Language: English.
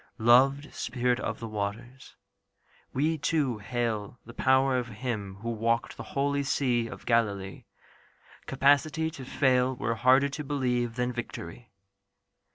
Loved spirit of the waters, we too hail The power of Him who walked the holy sea Of Galilee. Capacity to fail Were harder to believe than victory.